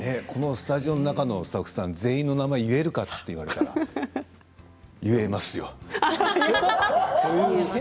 このスタジオの中のスタッフさんの名前を全員言えるかと言われたら言えますよ。